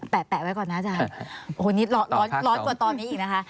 แปะไว้ก่อนนะอาจารย์โอ้โหนี่ร้อนกว่าตอนนี้อีกนะคะ